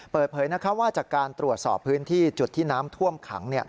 เปิดเผยว่าจากการตรวจสอบพื้นที่จุดที่น้ำท่วมขัง